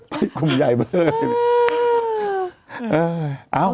ไปกลุ่มใหญ่เบอร์กัน